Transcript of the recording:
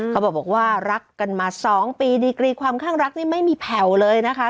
เขาบอกว่ารักกันมา๒ปีดีกรีความข้างรักนี่ไม่มีแผ่วเลยนะคะ